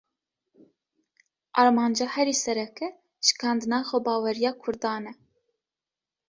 Armanca herî sereke, şikandina xwebaweriya Kurdan e